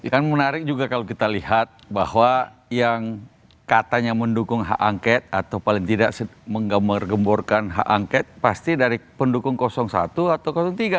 kan menarik juga kalau kita lihat bahwa yang katanya mendukung hak angket atau paling tidak menggambar gemborkan hak angket pasti dari pendukung satu atau tiga